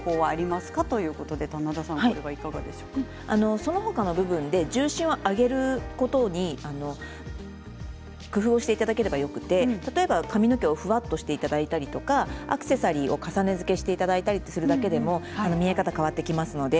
その他の部分で重心を上げることに工夫をしていただければよくて例えば、髪の毛をふわっとしていただいたりとかアクセサリーを重ねづけしていただいたりするだけでも見え方が変わってきます。